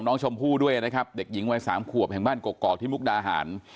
น้องชมพู่ด้วยนะครับเด็กหญิงวัยสามขวบแห่งบ้านกกอกที่มุกดาหาร